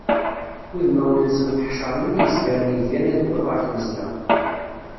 Udmawen-nsent ḥecṛen am yizgaren iggan adur ɣer tmezla.